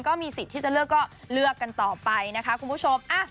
ก็มีสิทธิ์ที่จะเลือกก็เลือกกันต่อไปนะคะคุณผู้ชม